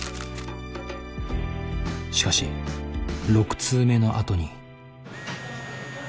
しかし６通目のあとに。